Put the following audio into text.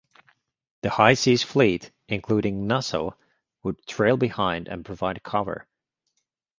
The High Seas Fleet, including "Nassau", would trail behind and provide cover.